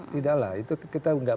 tidak lah itu kita nggak